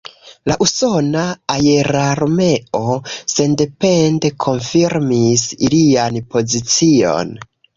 La Usona Aerarmeo sendepende konfirmis ilian pozicion.